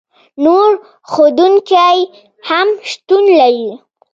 نور ښودونکي هم شتون لري.